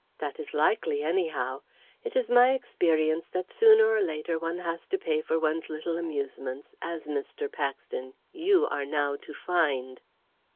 That is likely, anyhow. It is my experience that, sooner or later, one has to pay for one's little amusements, as, Mr. Paxton, you are now to find."